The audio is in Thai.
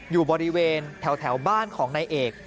อยู่บริเวณแถวบ้านของนายเอก